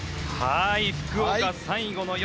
福岡最後の夜。